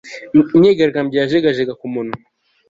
Imyigaragambyo yajegajega ku munwa